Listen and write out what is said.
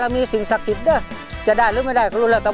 เพลงนี้อยู่ในอาราบัมชุดแรกของคุณแจ็คเลยนะครับ